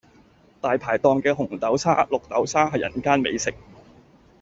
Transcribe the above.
大排檔嘅紅豆沙、綠豆沙係人間美食